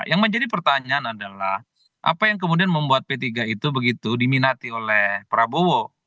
yang menjadi pertanyaan adalah apa yang kemudian membuat p tiga itu begitu diminati oleh prabowo